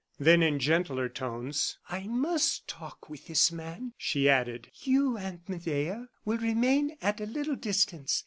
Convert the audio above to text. Then, in gentler tones: "I must talk with this man," she added. "You, Aunt Medea, will remain at a little distance.